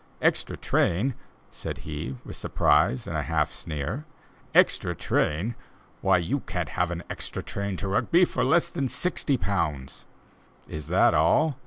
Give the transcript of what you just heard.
"Extra train!" said he, with surprise and a half sneer, "extra train! why you can't have an extra train to Rugby for less than sixty pounds." "Is that all?"